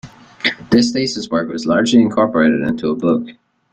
This thesis work was largely incorporated into a book.